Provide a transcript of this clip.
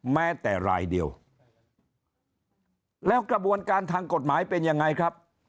แม้แต่รายเดียวแล้วกระบวนการทางกฎหมายเป็นยังไงครับ